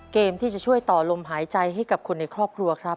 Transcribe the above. เกมที่จะช่วยต่อลมหายใจให้กับคนในครอบครัวครับ